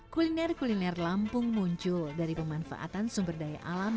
kuliner kuliner lampung muncul dari pemanfaatan sumber daya alam